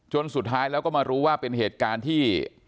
สุดท้ายแล้วก็มารู้ว่าเป็นเหตุการณ์ที่